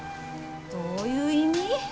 どういう意味？